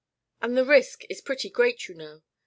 And the risk is pretty great, you know.